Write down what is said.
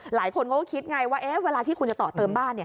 หลายคนเขาก็คิดไงว่าเวลาที่คุณจะต่อเติมบ้าน